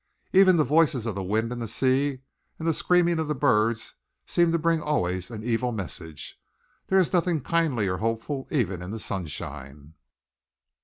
Even the voices of the wind and the sea, and the screaming of the birds, seem to bring always an evil message. There is nothing kindly or hopeful even in the sunshine.